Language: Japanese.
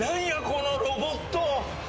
このロボット。